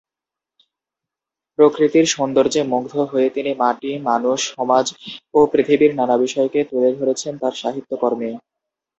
প্রকৃতির সৌন্দর্যে মুগ্ধ হয়ে তিনি মাটি, মানুষ, সমাজ ও পৃথিবীর নানা বিষয়কে তুলে ধরেছেন তার সাহিত্যকর্মে।